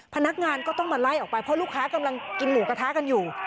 พนักงานก็ต้องมาไล่ออกไปเพราะลูกค้ากำลังกินหมูกระทะกันอยู่